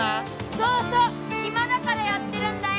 そうそう暇だからやってるんだよ。